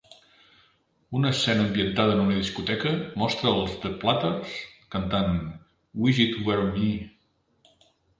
Una escena ambientada en una discoteca mostra els The Platters cantant "Wish It Were Me".